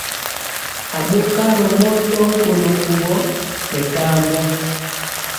Aɓokarɔ mɔ tɔgi ɓɔnɔ kuwɔ nɛ kaambɔ.